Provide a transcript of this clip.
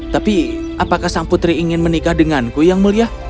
tapi apakah sang putri ingin menikah denganku yang mulia